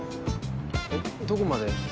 えどこまで？